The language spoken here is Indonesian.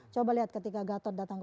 coba lihat ketika gatot datang ke